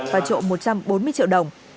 và trộm một trăm bốn mươi triệu đồng